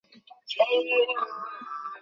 তুমি যথেষ্ট বড় হয়েছ বোঝার জন্য।